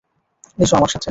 S আমার সাথে।